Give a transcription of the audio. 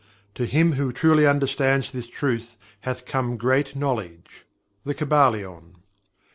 To him who truly understands this truth hath come great knowledge." The Kybalion.